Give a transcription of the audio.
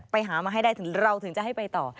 ไปหามาให้ได้ถึงเราถึงจะให้ไปต่อ